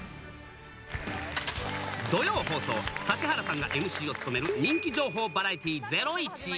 土曜放送、指原さんがＭＣを務める人気情報バラエティー、ゼロイチ。